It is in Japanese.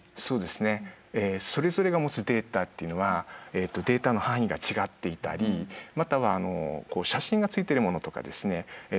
そうですねそれぞれが持つデータっていうのはデータの範囲が違っていたりまたは写真がついてるものとかですね